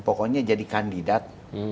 pokoknya jadi kandidat